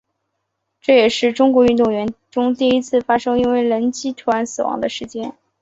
这也是中国运动员中第一次发生因为雷击突然死亡的事件。